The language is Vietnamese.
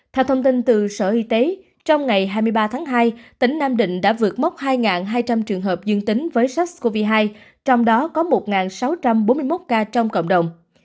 theo thông tin từ sở y tế trong ngày hai mươi ba tháng hai tỉnh nam định đã vượt mốc hai hai trăm linh trường hợp dương tính với sars cov hai trong đó có một sáu trăm bốn mươi một ca trong cộng đồng